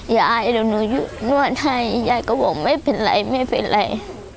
ยายเดี๋ยวหนูนวดให้ยายก็บอกไม่เป็นไรไม่เป็นไร